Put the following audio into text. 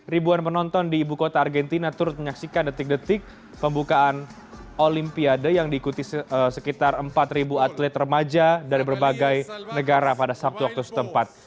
ribuan penonton di ibu kota argentina turut menyaksikan detik detik pembukaan olimpiade yang diikuti sekitar empat atlet remaja dari berbagai negara pada sabtu waktu setempat